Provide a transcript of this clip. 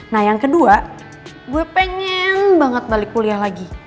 nah yang kedua gue pengen banget balik kuliah lagi